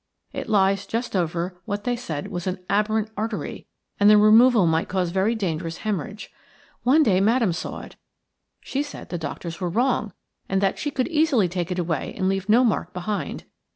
It lies just over what they said was an aberrant artery, and the removal might cause very dangerous haemorrhage. One day Madame saw it; she said the doctors were wrong, and that she could easily take it away and leave no mark behind.